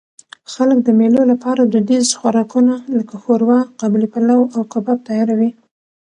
خلک د مېلو له پاره دودیز خوراکونه؛ لکه ښوروا، قابلي پلو، او کباب تیاروي.